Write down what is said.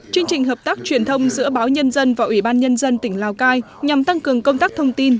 chương trình hợp tác truyền thông giữa báo nhân dân và ủy ban nhân dân tỉnh lào cai nhằm tăng cường công tác thông tin